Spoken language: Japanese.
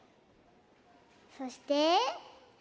そして「辰」！